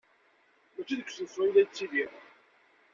Maci deg usensu ay la ttiliɣ.